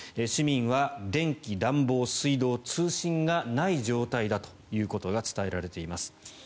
市民は電気、暖房、水道、通信がない状態だということが伝えられています。